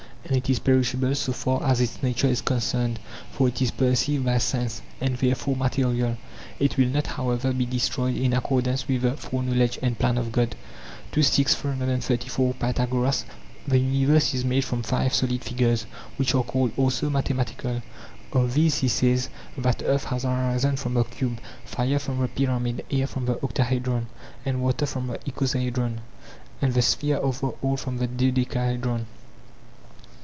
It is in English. And it is perishable so far as its nature is concerned, for it is perceived by sense, and therefore material; it will not however be destroyed in accordance with the foreknowledge and plan of god. ii.6; 334. Pythagoras: The universe is made from five solid figures, which are called also mathematical; of these he says that earth has arisen from the cube, fire from the pyramid, air from the octahedron, and water from the icosahedron, and the sphere of the all from the dodecahedron.